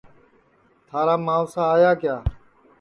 تھارا ماوسا آئیا کیا